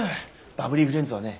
バブリーフレンズはね